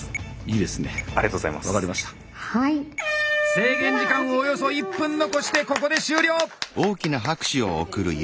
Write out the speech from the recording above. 制限時間をおよそ１分残してここで終了。